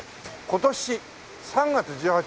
今年３月１８日ですね